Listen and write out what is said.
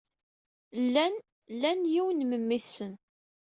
Llan lan yiwen n memmi-tsen.